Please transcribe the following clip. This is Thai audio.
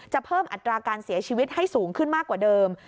เพิ่มอัตราการเสียชีวิตให้สูงขึ้นมากกว่าเดิม